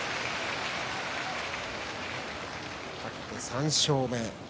勝って３勝目。